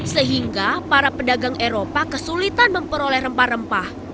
sehingga para pedagang eropa kesulitan memperoleh rempah rempah